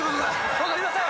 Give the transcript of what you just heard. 分かりません！